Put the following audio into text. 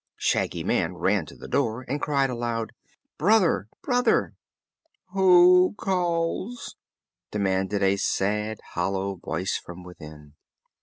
Shaggy Man ran to the door and cried aloud: "Brother! Brother!" "Who calls," demanded a sad, hollow voice from within.